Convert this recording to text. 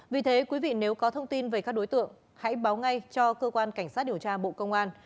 vì thế quý vị nếu có thông tin về các đối tượng hãy báo ngay cho cơ quan cảnh sát điều tra bộ công an